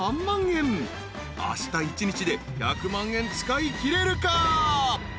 ［あした一日で１００万円使いきれるか？］